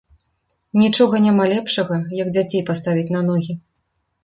Нічога няма лепшага, як дзяцей паставіць на ногі.